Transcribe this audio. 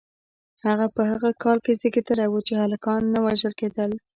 هغه په هغه کال کې زیږیدلی و چې هلکان نه وژل کېدل.